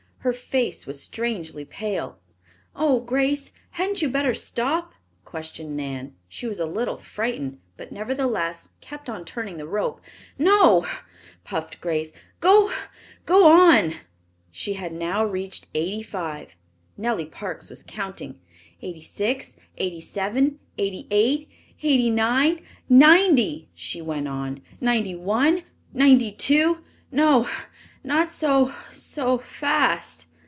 Her face was strangely pale. "Oh, Grace, hadn't you better stop?" questioned Nan. She was a little frightened, but, nevertheless, kept on turning the rope. "No!" puffed Grace. "Go go on!" She had now reached eighty five. Nellie Parks was counting: "Eighty six, eighty seven, eighty eight, eighty nine, ninety!" she went on. "Ninety one , ninety two " "No not so so fast!"